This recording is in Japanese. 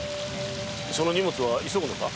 その荷物は急ぐのか？